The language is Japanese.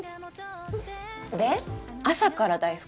で朝から大福？